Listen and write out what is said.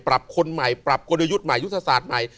คนใหม่ปรับกลยุทธ์ใหม่ยุทธศาสตร์ใหม่